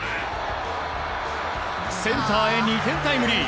センターへ２点タイムリー。